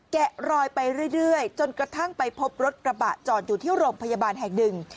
แกะรอยไปเรื่อยจนกระทั่งไปพบรถกระบะจอดอยู่ที่โรงพยาบาลแห่งหนึ่ง